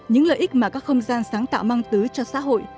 những lợi ích mà các không gian sáng tạo mang tứ cho xã hội